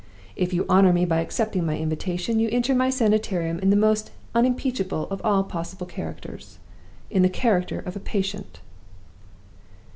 If you honor me by accepting my invitation, you enter My Sanitarium in the most unimpeachable of all possible characters in the character of a Patient."